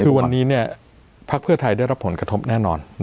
คือวันนี้ภักดิ์เพื่อไทยได้รับผลกระทบแน่นอน